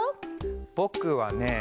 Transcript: ぼくはね